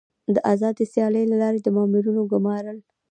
د آزادې سیالۍ له لارې د مامورینو ګمارل.